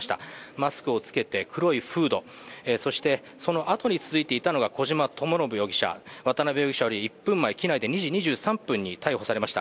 マスクを着けて黒いフードそしてその後に続いていたのが小島智信容疑者、渡辺容疑者より１分前、機内で２時２３分に逮捕されました。